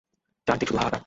চারদিক শুধু হাহাকার।